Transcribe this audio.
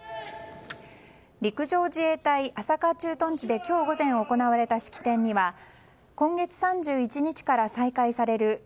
陸上自衛隊朝霞駐屯地で今日午前行われた式典には今月３１日から再開される